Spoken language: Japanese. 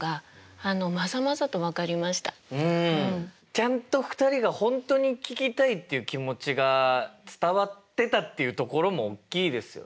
ちゃんと２人が本当に聞きたいっていう気持ちが伝わってたっていうところもおっきいですよね。